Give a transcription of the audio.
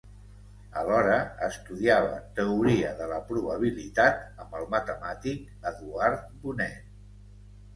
Alhora, estudiava teoria de la probabilitat amb el matemàtic Eduard Bonet.